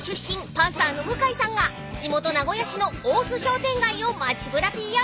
パンサーの向井さんが地元名古屋市の大須商店街を街ぶらＰＲ］